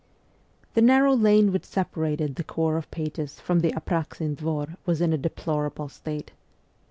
The narrow lane which separated the Corps of Pages from the Apraxin Dvor was in a deplorable state.